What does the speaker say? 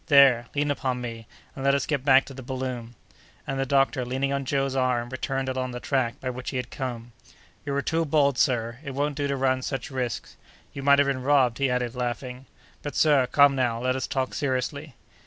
There! lean upon me, and let us get back to the balloon." And the doctor, leaning on Joe's arm, returned along the track by which he had come. "You were too bold, sir; it won't do to run such risks. You might have been robbed," he added, laughing. "But, sir, come now, let us talk seriously."